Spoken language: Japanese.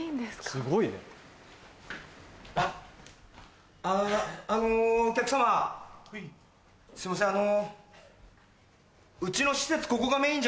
すいません